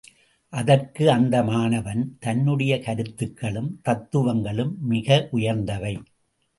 அதற்கு அந்த மாணவன், தன்னுடைய கருத்துக்களும் தத்துவங்களும் மிக உயர்ந்தவை.